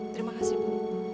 terima kasih bu